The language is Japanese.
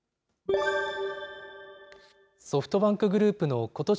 ソフトバンクグループのことし